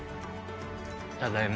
ただいま。